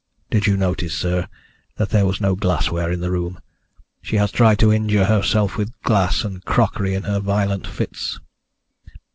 Did you notice, sir, that there was no glassware in the room? She has tried to injure herself with glass and crockery in her violent fits."